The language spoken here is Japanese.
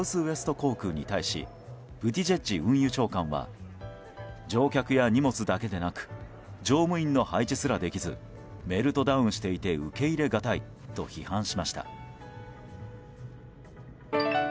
航空に対しブティジェッジ運輸長官は乗客や荷物だけでなく乗務員の配置すらできずメルトダウンしていて受け入れがたいと批判しました。